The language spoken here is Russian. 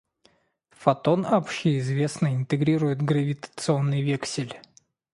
Фотон, общеизвестно, интегрирует гравитационный вексель.